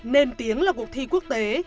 nền tiếng là cuộc thi quốc tế